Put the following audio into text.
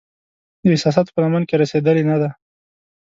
د احساساتو په لمن کې رسیدلې نه دی